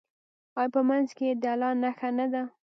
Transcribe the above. آیا په منځ کې یې د الله نښه نه ده؟